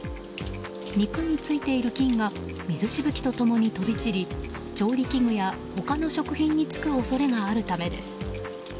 肉についている菌が水しぶきと共に飛び散り調理器具や他の食品につく恐れがあるためです。